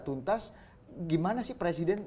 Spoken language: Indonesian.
tuntas gimana sih presiden